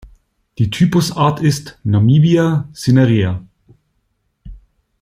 Die Typusart ist "Namibia cinerea".